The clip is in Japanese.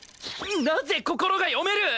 なぜ心が読める？